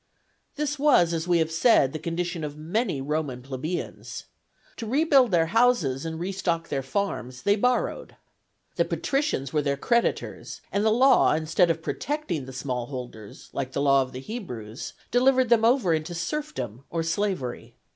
This was, as we have said, the condition of many Roman plebeians. To rebuild their houses and restock their farms they borrowed; the patricians were their creditors; and the law, instead of protecting the small holders, like the law of the Hebrews, delivered them over into serfdom or slavery.